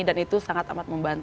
dan itu sangat amat membantu